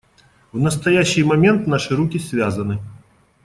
В настоящий момент наши руки связаны.